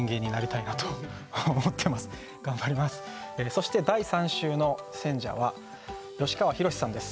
そして第３週の選者は吉川宏志さんです。